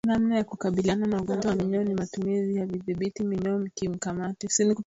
Namna ya kukabiliana na ugonjwa wa minyoo ni matumizi ya vidhibiti minyoo kimkakati